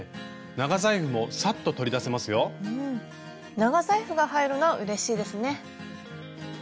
長財布が入るのはうれしいですね。